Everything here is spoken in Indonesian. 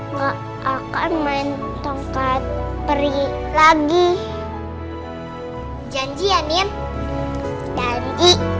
nggak akan main tongkat peri lagi janjian yang dari